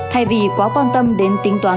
thay vì quá quan tâm đến tính toán